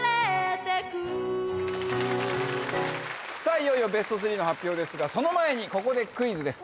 いよいよベストスリーの発表ですがその前にここでクイズです。